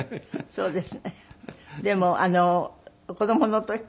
そうですね。